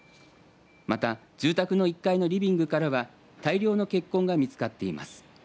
また、住宅の１階のリビングからは大量の血痕が見つかっています。